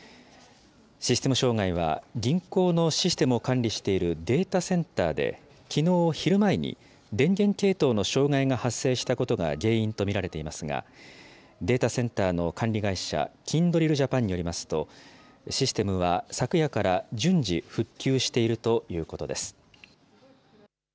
システム障害は、銀行のシステムを管理しているデータセンターで、きのう昼前に、電源系統の障害が発生したことが原因と見られていますが、データセンターの管理会社、キンドリルジャパンによりますと、システムは昨夜から順次復旧しているということです。